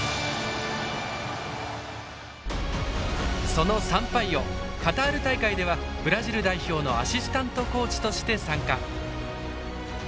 そのサンパイオカタール大会ではブラジル代表のアシスタントコーチとして参加。